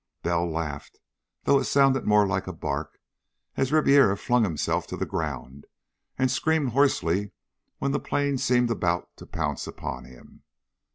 Bell laughed, though it sounded more like a bark, as Ribiera flung himself to the ground and screamed hoarsely when the plane seemed about to pounce upon him.